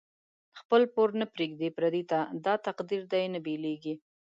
خپل پور نه پریږدی پردی ته، دا تقدیر دۍ نه بیلیږی